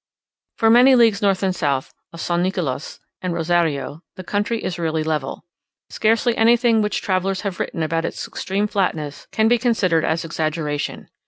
For many leagues north and south of San Nicolas and Rozario, the country is really level. Scarcely anything which travellers have written about its extreme flatness, can be considered as exaggeration.